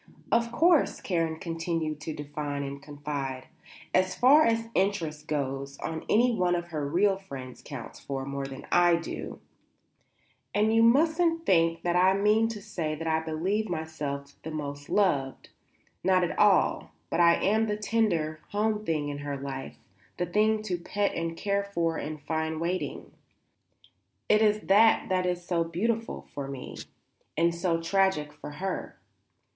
"Of course," Karen continued to define and confide, "as far as interest goes any one of her real friends counts for more than I do, and you mustn't think that I mean to say that I believe myself the most loved; not at all. But I am the tender, home thing in her life; the thing to pet and care for and find waiting. It is that that is so beautiful for me and so tragic for her."